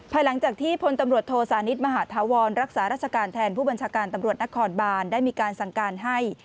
หลังจากที่พลตำรวจโทสานิทมหาธาวรรักษาราชการแทนผู้บัญชาการตำรวจนครบานได้มีการสั่งการให้